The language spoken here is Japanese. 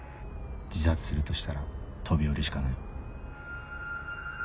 自殺するとしたら飛び降りしかない。